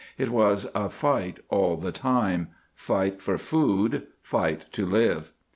It was a fight all the time. Fight for food; fight to live.